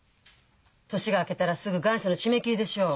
年が明けたらすぐ願書の締め切りでしょう？